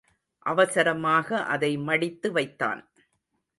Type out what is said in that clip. அவசரமாக அதை மடித்து வைத்தான்.